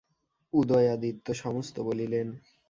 উদয়াদিত্য সমস্ত বলিলেন।